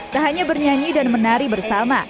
tak hanya bernyanyi dan menari bersama